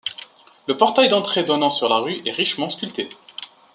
Le portail d'entrée donnant sur la rue est richement sculpté.